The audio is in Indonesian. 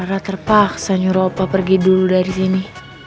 ra terpaksa nyuruh opa pergi dulu dari sini